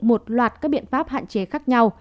một loạt các biện pháp hạn chế khác nhau